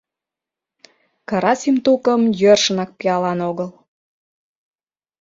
Карасим тукым йӧршынак пиалан огыл.